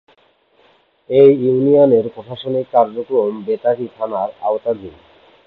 এ ইউনিয়নের প্রশাসনিক কার্যক্রম বেতাগী থানার আওতাধীন।